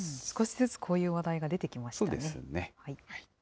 少しずつこういう話題が出てきましたね。